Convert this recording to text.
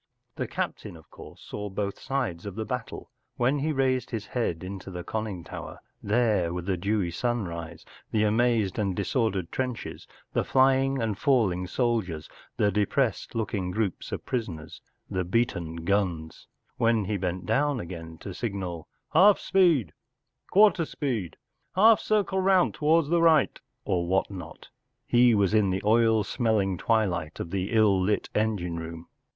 The captain, of course, saw both sides of the battle. When he raised his head into his con¬ ning tower there were the dewy sunrise, the amazed and disordered trenches, the flying and falling soldiers, the depressed looking groups of prisoners, the beaten guns ; when he bent down again to signal “ Half speed,” “ Quarter speed,” “ Half circle round towards the right,” or what not, he was in the oil smelling twilight of the ill lit engine room.